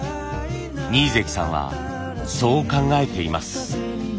二位関さんはそう考えています。